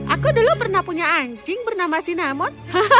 aku dulu pernah punya anjing bernama sinamon